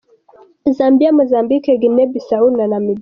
Zambia, Mozambique, Guinea-Bissau, Namibia